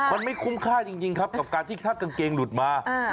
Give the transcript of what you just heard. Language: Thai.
มันไม่คุ้มค่าจริงครับกับการที่ถ้ากางเกงหลุดมา